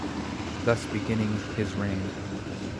Thus beginning his reign.